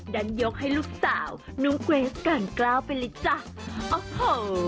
ดันยกให้ลูกสาวน้องเกรสการกล้าวไปเลยจ้ะโอ้โห